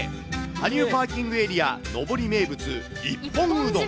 羽生パーキングエリア上り名物、一本うどん。